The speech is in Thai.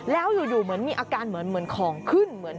แล้วอยู่เหมือนมีอาการเหมือนของขึ้นเหมือน